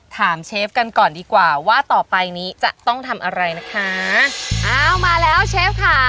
เชฟกันก่อนดีกว่าว่าต่อไปนี้จะต้องทำอะไรนะคะอ้าวมาแล้วเชฟค่ะ